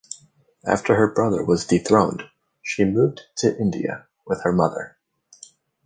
After her brother was dethroned, she moved to India with her mother.